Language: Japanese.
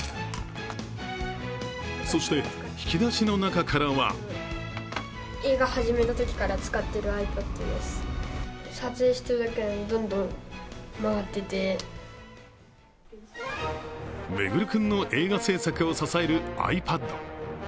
そして、引き出しの中からは環君の映画制作を支えるｉＰａｄ。